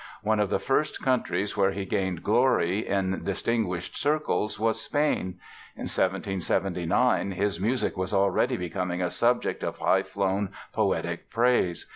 One of the first countries where he gained glory in distinguished circles was Spain. In 1779 his music was already becoming a subject of high flown poetic praise.